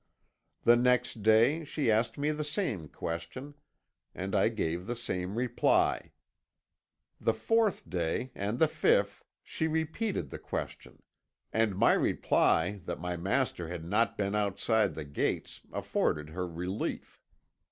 The next day she asked me the same question, and I gave the same reply. The fourth day and the fifth she repeated the question, and my reply that my master had not been outside the gates afforded her relief.